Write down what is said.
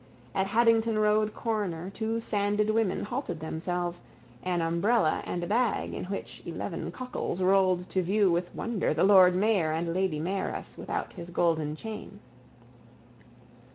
At Haddington road corner two sanded women halted themselves, an umbrella and a bag in which eleven cockles rolled to view with wonder the lord mayor and lady mayoress without his golden chain.